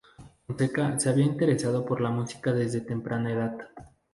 Fonseca se había interesado por la música desde temprana edad.